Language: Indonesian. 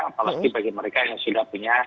apalagi bagi mereka yang sudah punya